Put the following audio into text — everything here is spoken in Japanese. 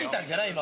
今。